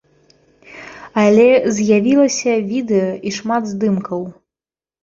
Але з'явілася відэа і шмат здымкаў.